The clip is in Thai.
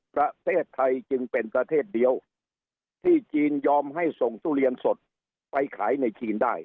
ประเทศไทยจึงเป็นประเทศเดียวที่จีนยอมให้ส่งทุเรียนสดไปขายในจีนได้